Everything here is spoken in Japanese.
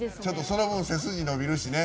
その分、背筋伸びるしね。